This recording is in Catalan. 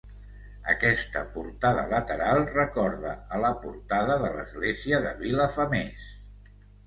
Aquesta portada lateral recorda a la portada de l'església de Vilafamés.